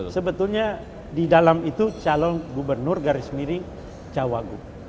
sebetulnya di dalam itu calon gubernur garis miring cawagup